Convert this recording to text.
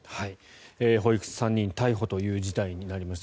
保育士３人逮捕という事態になりました。